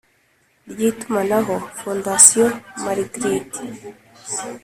Ry itumanaho fondation margrit